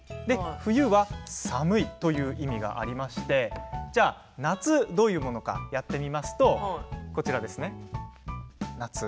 「冬」は「寒い」という意味がありましてじゃあ、「夏」どういうものかやってみますとこちらですね、「夏」。